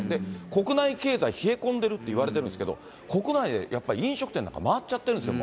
国内経済、冷え込んでるっていわれてるんですけど、国内でやっぱり飲食店なんか回っちゃってるんですよ。